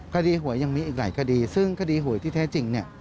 คดีหวยยังมีอีกหลายคดีซึ่งคดีหวยที่แท้จริงเนี่ย